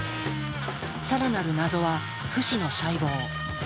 さらなる謎は、不死の細胞。